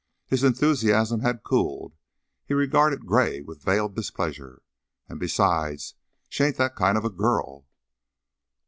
His enthusiasm had cooled; he regarded Gray with veiled displeasure. "An' besides, she ain't that kind of a girl."